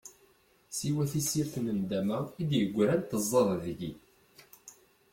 Siwa tissirt n nndama i d-yegran tezzaḍ deg-i.